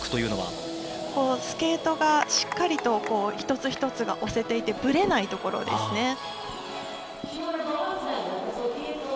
スケートがしっかりと一つ一つが押せていてぶれないところですね。